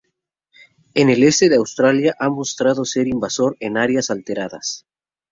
En el oeste de Australia ha mostrado ser invasor en áreas alteradas.